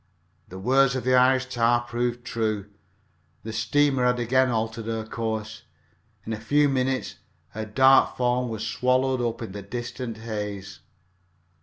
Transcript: The words of the Irish tar proved true the steamer had again altered her course. In a few minutes her dark form was swallowed up in the distant haze.